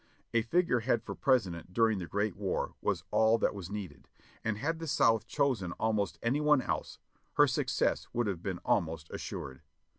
A figurehead for President during the great war was all that was needed, and had the South chosen almost any one else, her success would have been almost assured.